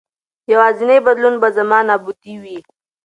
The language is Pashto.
یوازېنی بدلون به زما نابودي وي.